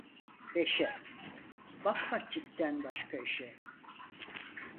Beşe, bakma çiftten başka işe.